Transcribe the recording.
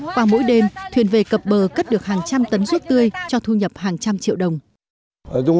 qua mỗi đêm thuyền về cập bờ cất được hàng trăm tấn ruốc tươi cho thu nhập hàng trăm triệu đồng